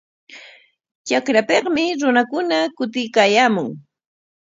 Trakrapikmi runakuna kutiykaayaamun.